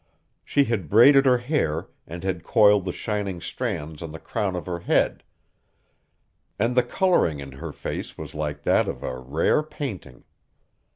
She had braided her hair and had coiled the shining strands on the crown of her head, and the coloring in her face was like that of a rare painting.